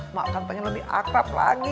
emak akan pengen lebih akrab lagi